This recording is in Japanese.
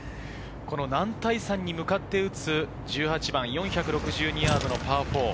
男体山に向かって打つ１８番、４６２ヤードのパー４。